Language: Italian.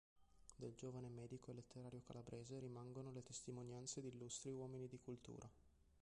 Del giovane medico e letterato calabrese rimangono le testimonianze di illustri uomini di cultura.